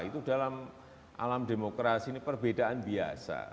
itu dalam alam demokrasi ini perbedaan biasa